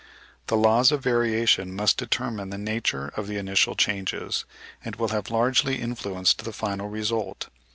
The laws of variation must determine the nature of the initial changes, and will have largely influenced the final result.